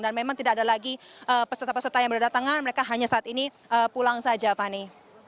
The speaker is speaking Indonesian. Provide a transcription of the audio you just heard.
dan memang tidak ada lagi peserta peserta yang berdatangan mereka hanya saat ini pulang saja fani